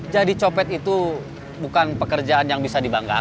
jadi copet itu bukan pekerjaan yang bisa dibanggakan